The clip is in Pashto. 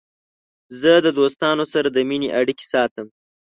زه د دوستانو سره د مینې اړیکې ساتم.